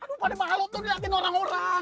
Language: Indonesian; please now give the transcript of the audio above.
adek pade malam tuh ngeliatin orang orang